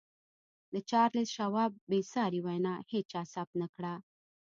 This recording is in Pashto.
د چارليس شواب بې ساري وينا هېچا ثبت نه کړه.